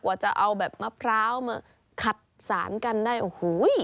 จะเอาแบบมะพร้าวมาขัดสารกันได้โอ้โห